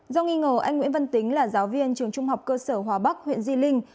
do nghi ngờ anh nguyễn văn tính là giáo viên trường trung học cơ sở hòa bắc huyện di linh